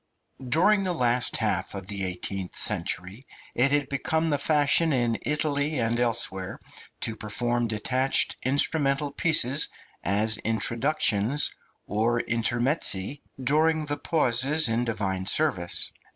DURING the last half of the eighteenth century it had become the fashion in Italy and elsewhere to perform detached instrumental pieces as introductions or intermezzi during the pauses in Divine service.